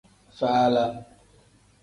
Faala.